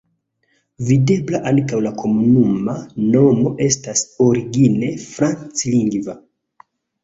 Videble ankaŭ la komunuma nomo estas origine franclingva.